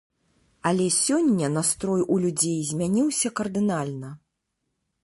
Але сёння настрой у людзей змяніўся кардынальна.